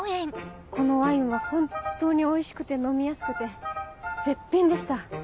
このワインは本当においしくて飲みやすくて絶品でした。